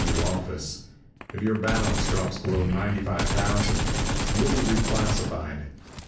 F.W. office. If your balance drops below ninety five thousand, you'll be reclassified."